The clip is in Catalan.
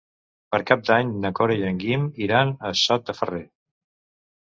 Per Cap d'Any na Cora i en Guim iran a Sot de Ferrer.